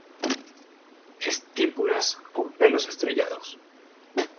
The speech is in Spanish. Estípulas con pelos estrellados.